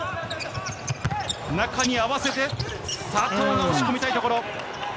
中に合わせて、佐藤が押し込みたいところ。